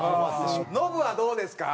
ノブはどうですか？